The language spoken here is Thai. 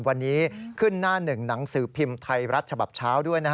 วันนี้ขึ้นหน้าหนึ่งหนังสือพิมพ์ไทยรัฐฉบับเช้าด้วย